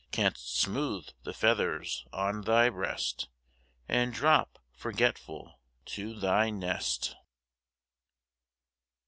Canst smooth the feathers on thy breast, And drop, forgetful, to thy nest.